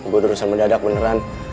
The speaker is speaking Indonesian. gua udah urusan mendadak beneran